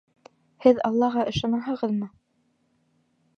Һеҙ Аллаға ышанаһығыҙмы?